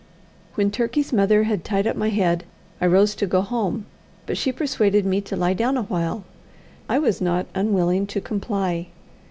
When Turkey's mother had tied up my head, I rose to go home, but she persuaded me to lie down a while. I was not unwilling to comply.